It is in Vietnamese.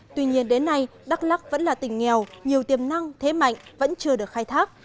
tuy nhiên đến nay đắk lắc vẫn là tỉnh nghèo nhiều tiềm năng thế mạnh vẫn chưa được khai thác